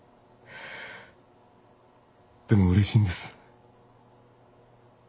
でもうれしいんです。